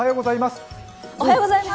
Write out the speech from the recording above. おはようございます。